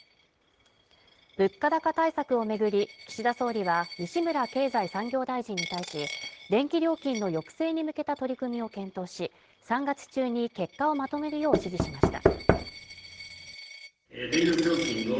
物価高対策を巡り、岸田総理は、西村経済産業大臣に対し、電気料金の抑制に向けた取り組みを検討し、３月中に結果をまとめるよう指示しました。